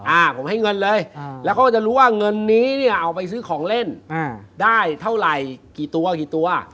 อ่าผมให้เงินเลยแล้วเขาก็จะรู้ว่าเงินนี้เนี่ยเอาไปซื้อของเล่นอ่าได้เท่าไหร่กี่ตัวกี่ตัว